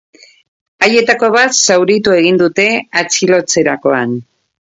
Haietako bat zauritu egin dute atxilotzerakoan.